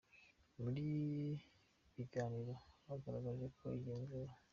Muri biganiro bagaragaje ko igenzura.